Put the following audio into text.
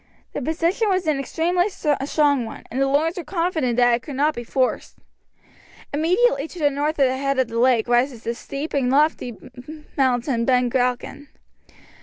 The position was an extremely strong one, and the Lornes were confident that it could not be forced. Immediately to the north of the head of the lake rises the steep and lofty mountain Ben Gruachan.